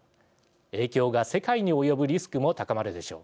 影響が世界に及ぶリスクも高まるでしょう。